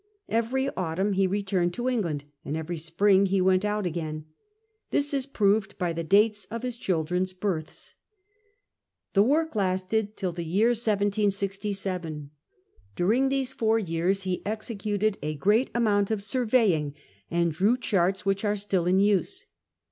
Every autumn he returned to England, and every spring he went out again. This is proved by the dates of his children's births. The work lasted till the year 1767. During these four years he executed a great amount of surveying, and drew charts which are still in use.